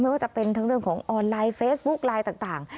ว่าจะเป็นทั้งเรื่องของออนไลน์เฟซบุ๊คไลน์ต่าง